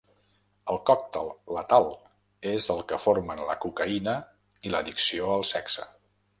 El còctel letal és el que formen la cocaïna i l'addicció al sexe.